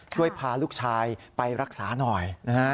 ช่วยพาลูกชายไปรักษาหน่อยนะฮะ